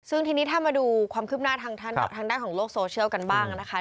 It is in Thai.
ซึ่งทีนี้ถ้ามาดูความคืบหน้าทางด้านของโลกโซเชียลกันบ้างนะคะ